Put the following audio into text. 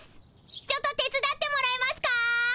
ちょっと手つだってもらえますか？